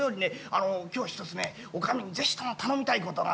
あの今日はひとつね女将に是非とも頼みたいことがあるんだがね。